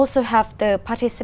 chúng tôi cũng có